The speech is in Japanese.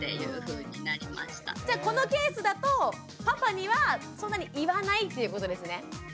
じゃあこのケースだとパパにはそんなに言わないっていうことですね？